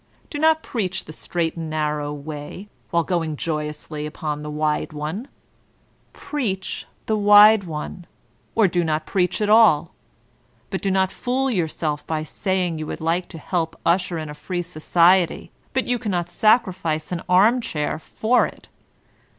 Do not preach the straight and narrow way while going joyously upon the wide one. Preach the ttnde one, or do not preach at all ; but do not fool yourself by saying you would like to help usher in a free society, but you cannot sacrifice an arm chair for it.